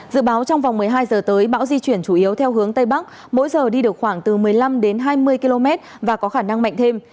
dự báo trong vòng một mươi hai giờ tới bão di chuyển chủ yếu theo hướng tây bắc mỗi giờ đi được khoảng từ một mươi năm đến hai mươi km và có khả năng mạnh thêm